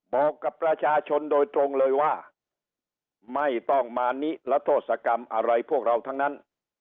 บอกกับประชาชนโดยตรงเลยว่าไม่ต้องมานิรโทษกรรมอะไรพวกเราทั้งนั้น